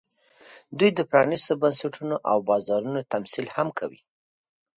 دوی د پرانېستو بنسټونو او بازارونو تمثیل هم کوي